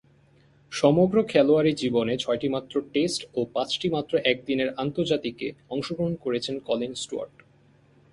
সমগ্র খেলোয়াড়ী জীবনে ছয়টিমাত্র টেস্ট ও পাঁচটিমাত্র একদিনের আন্তর্জাতিকে অংশগ্রহণ করেছেন কলিন স্টুয়ার্ট।